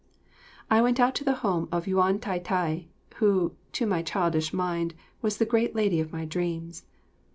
I went out to the home of Yuan Tai tai, who, to my childish mind was the great lady of my dreams.